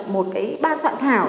một cái ban soạn thảo